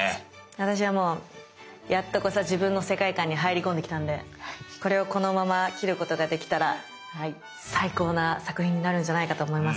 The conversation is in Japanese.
私はもうやっとこさ自分の世界観に入り込んできたんでこれをこのまま切ることができたら最高な作品になるんじゃないかと思います。